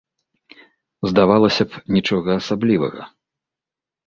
Здавалася б, нічога асаблівага.